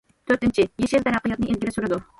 تۆتىنچى، يېشىل تەرەققىياتنى ئىلگىرى سۈرىدۇ.